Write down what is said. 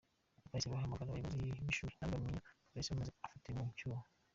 Bahise bahamagara abayobozi b’ishuri na bo bamenyesha polisi maze afatirwa mu cyuho.